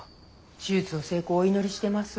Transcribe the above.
手術の成功をお祈りしてます。